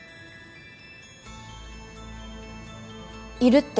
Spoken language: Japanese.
いるって。